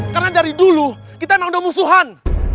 karena dari dulu kita emang udah musuhan